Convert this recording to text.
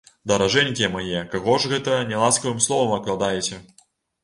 Даражэнькія мае, каго ж гэта няласкавым словам акладаеце?